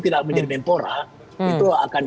tidak menjadi menteri pemuda itu akan